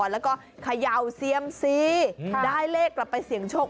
แล้วก็เขย่าเซียมซีได้เลขกลับไปเสี่ยงโชค